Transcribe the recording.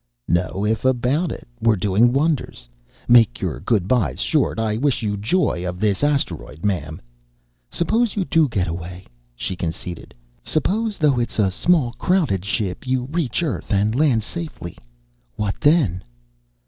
"No if about it. We're doing wonders. Make your goodbyes short. I wish you joy of this asteroid, ma'am." "Suppose you do get away," she conceded. "Suppose, though it's a small, crowded ship, you reach Earth and land safely. What then?"